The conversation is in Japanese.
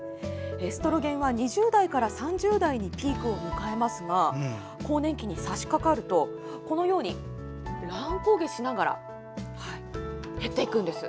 エストロゲンは、２０代から３０代にピークを迎えますが更年期にさしかかると乱高下しながら減っていくんです。